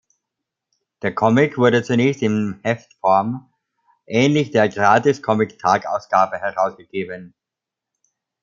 Der Comic wurde zunächst im Heftform, ähnlich der Gratis-Comic-Tag-Ausgabe, herausgegeben.